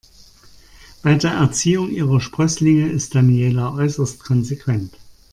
Bei der Erziehung ihrer Sprösslinge ist Daniela äußerst konsequent.